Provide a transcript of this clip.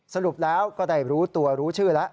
สรุปแล้วก็ได้รู้ตัวรู้ชื่อแล้ว